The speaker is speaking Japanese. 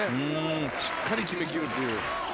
しっかり決め切るという。